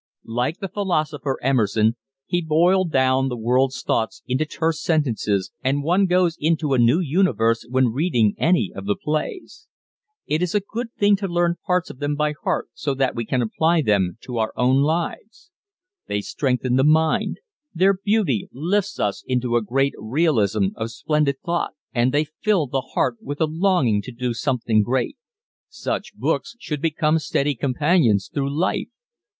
Like the philosopher Emerson he boiled down the world's thoughts into terse sentences and one goes into a new universe when reading any of the plays. It is a good thing to learn parts of them by heart so that we can apply them to our own lives. They strengthen the mind ... their beauty lifts us into a great realism of splendid thought ... and they fill the heart with a longing to do something great. Such books should become steady companions through life.